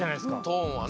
トーンはね。